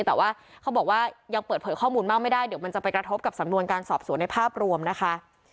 แต่ว่าเขาบอกว่ายังเปิดเผยข้อมูลมากไม่ได้เดี๋ยวมันจะไปกระทบกับสำนวนการสอบสวนในภาพรวมนะคะ